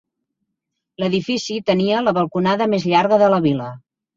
L'edifici tenia la balconada més llarga de la vila.